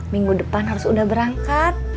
minggu depan harus sudah berangkat